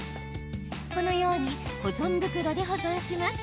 このように保存袋で保存します。